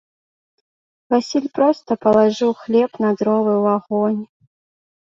Васіль проста палажыў хлеб на дровы ў агонь.